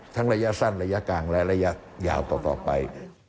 ระยะสั้นระยะกลางและระยะยาวต่อไป